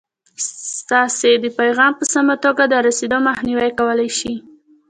ستاسې د پیغام په سمه توګه د رسېدو مخنیوی کولای شي.